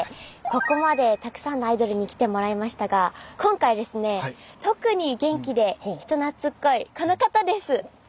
ここまでたくさんのアイドルに来てもらいましたが今回はですね特に元気で人懐っこいこの方です！